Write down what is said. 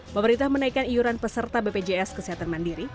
pemerintah menaikkan iuran peserta bpjs kesehatan mandiri